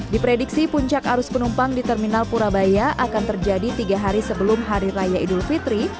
diprediksi puncak arus penumpang di terminal purabaya akan terjadi tiga hari sebelum hari raya idul fitri